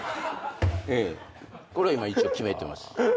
これは今一応決めてます。